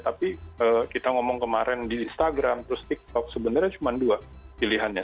tapi kita ngomong kemarin di instagram terus tiktok sebenarnya cuma dua pilihannya